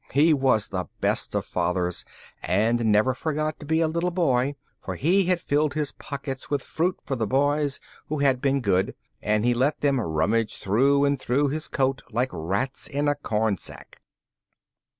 He was the best of fathers; and never forgot to be a little boy, for he had filled his pockets with fruit for the boys who had been good, and he let them rummage through and through his coat like rats in a corn sack.